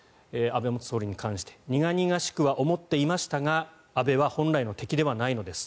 安倍元総理に関して苦々しくは思っていましたが安倍は本来の敵ではないのです。